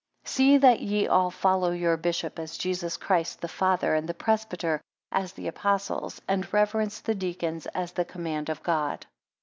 SEE that ye all follow your bishop, as Jesus Christ, the Father; and the presbytery, as the Apostles; and reverence the deacons, as the command of God.